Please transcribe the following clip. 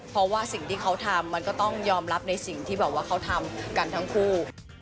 เพราะว่าสิ่งที่เขาทำมันก็ต้องยอมรับในสิ่งที่แบบว่าเขาทำกันทั้งคู่